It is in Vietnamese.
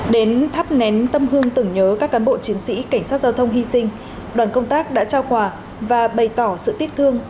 đến thắp nén tâm hương tưởng nhớ các cán bộ chiến sĩ cảnh sát giao thông hy sinh đoàn công tác đã trao quà và bày tỏ sự tiếc thương